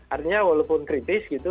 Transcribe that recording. artinya walaupun kritis gitu